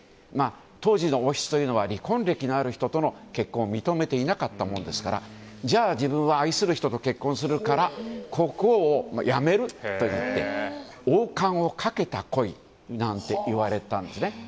当時の王室というのは離婚歴がある人との結婚を認めていなかったものですからじゃあ愛する人と結婚するから国王を辞めると言って王冠をかけた恋なんていわれたんですね。